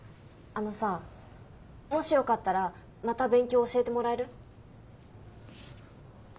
あのさもしよかったらまた勉強教えてもらえる？